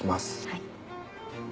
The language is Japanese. はい。